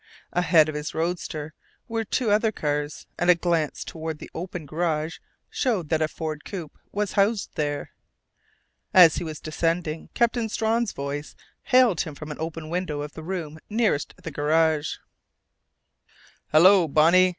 Ahead of his roadster were two other cars, and a glance toward the open garage showed that a Ford coupe was housed there. As he was descending Captain Strawn's voice hailed him from an open window of the room nearest the garage. "Hello, Bonnie!